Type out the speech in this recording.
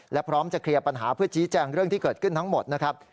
และพร้อมจะเคลียร์ปัญหาเพื่อชี้แจงเรื่องที่เกิดขึ้นทั้งหมดนะครับ